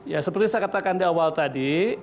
ya seperti saya katakan di awal tadi